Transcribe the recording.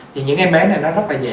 thì những em bé này nó rất là dễ